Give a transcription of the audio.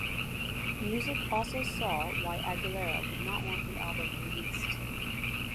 Music also saw why Aguilera would not want the album released.